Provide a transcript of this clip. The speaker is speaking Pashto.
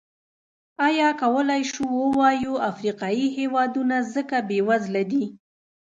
ایا کولای شو ووایو افریقايي هېوادونه ځکه بېوزله دي.